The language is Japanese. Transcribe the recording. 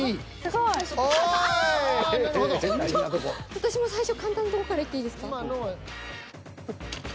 私も最初簡単なとこからいっていいですか？